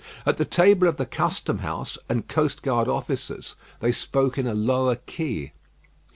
At the table of the custom house and coast guard officers they spoke in a lower key.